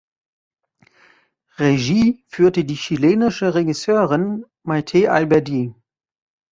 Regie führte die chilenische Regisseurin Maite Alberdi.